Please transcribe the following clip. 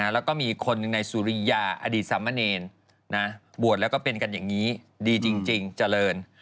แล้วก็มีอีกคนหนึ่งในสุริยาอดีตสามเณรบวชแล้วก็เป็นกันอย่างนี้ดีจริงเจริญ